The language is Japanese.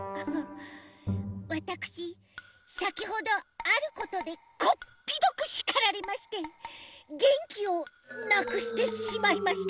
わたくしさきほどあることでこっぴどくしかられましてげんきをなくしてしまいました。